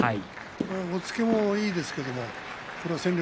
押っつけもいいですけど。